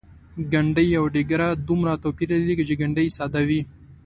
ګنډۍ او ډیګره دومره توپیر لري چې ګنډۍ ساده وي.